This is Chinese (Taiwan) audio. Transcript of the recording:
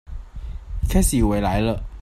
一開始以為來了